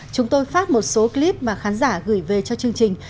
chúng tôi phát một số clip mà khán giả gửi về cho chương trình